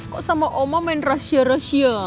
kok sama oma main rasia rasia